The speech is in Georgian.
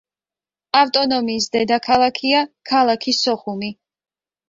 ავტონომიის დედაქალაქია ქალაქი სოხუმი.